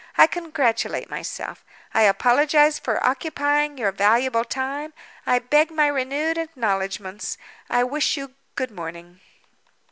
I congratulate myself—I apologize for occupying your valuable time—I beg my renewed acknowledgments—I wish you good morning."